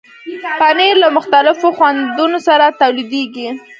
پنېر له مختلفو خوندونو سره تولیدېږي.